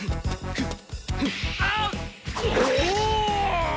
くっ！